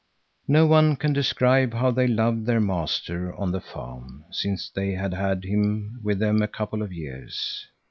No one can describe how they loved their master on the farm, since they had had him with them a couple of years.